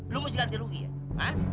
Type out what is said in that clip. lo mesti ganti rugi ya